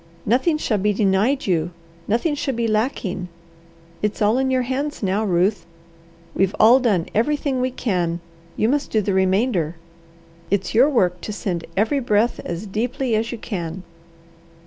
Nothing shall be denied you! Nothing shall be lacking! It's all in your hands now, Ruth. We've all done everything we can; you must do the remainder. It's your work to send every breath as deeply as you can.